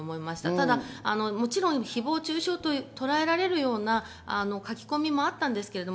ただ誹謗中傷ととらえられるような書き込みもあったんですけれども、